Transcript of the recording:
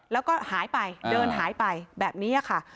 แล้วก็หายไปเดินหายไปแบบนี้ค่ะ